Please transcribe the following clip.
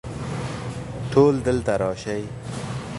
ټول دلته راشئ